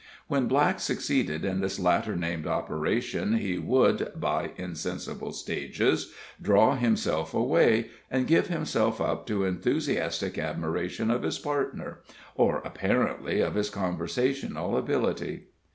When Black succeeded in this latter named operation, he would, by insensible stages, draw himself away, and give himself up to enthusiastic admiration of his partner, or, apparently, of his conversational ability.